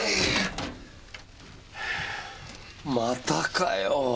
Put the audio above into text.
またかよ。